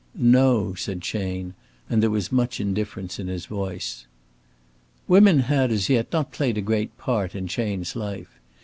"No," said Chayne, and there was much indifference in his voice. Women had, as yet, not played a great part in Chayne's life.